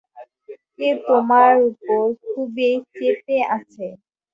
কেউ তোমার ওপর খুবই চেতে আছে।